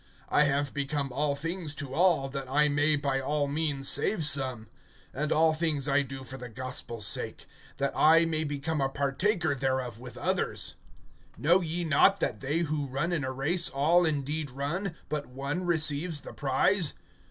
I have become all things to all, that I may by all means save some. (23)And all things I do for the gospel's sake, that I may become a partaker thereof with others[9:23]. (24)Know ye not that they who run in a race, all indeed run, but one receives the prize?